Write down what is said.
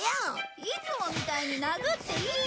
いつもみたいに殴っていいから！